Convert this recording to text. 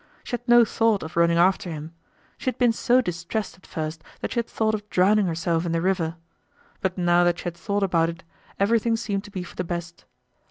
She had no thought of running after him. She had been so distressed at first that she had thought of drowning herself in the river. But now that she had thought about it, everything seemed to be for the best.